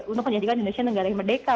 untuk menjadikan indonesia negara yang merdeka